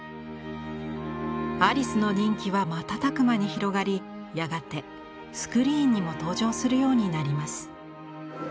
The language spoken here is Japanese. アリスの人気は瞬く間に広がりやがてスクリーンにも登場するようになります。